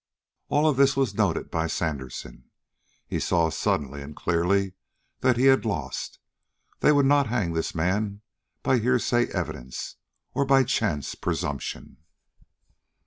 All of this was noted by Sandersen. He saw suddenly and clearly that he had lost. They would not hang this man by hearsay evidence, or by chance presumption.